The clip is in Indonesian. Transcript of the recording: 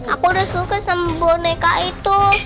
aku udah suka sama boneka itu